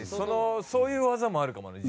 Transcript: そういう技もあるかもね